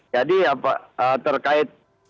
jadi apa terkait